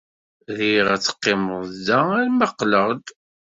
Riɣ ad teqqimed da arma qqleɣ-d.